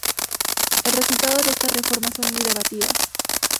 El resultado de estas reformas son muy debatidas.